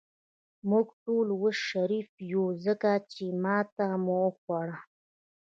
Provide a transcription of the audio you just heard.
موږ ټول اوس شریف یو، ځکه چې ماته مو وخوړه.